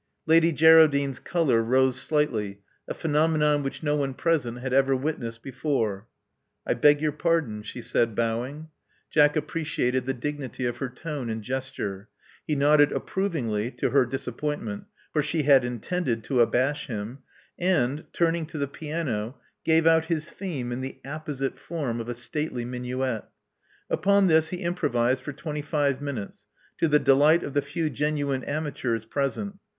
Lady Geraldine's color rose slightly, a phenomenon which no one present had ever witnessed before. I beg your pardon, " she said, bowing. Jack appreciated the dignity of her tone and gesture. He nodded approvingly — to her disappointment, for she had intended to abash him — and, turning to the piano, gave out his theme in the apposite form of a stately minuet. Upon this he improvised for twenty five minutes, to the delight of the few genuine amateurs present.